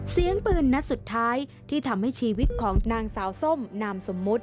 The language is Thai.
เสียงปืนนัดสุดท้ายที่ทำให้ชีวิตของนางสาวส้มนามสมมุติ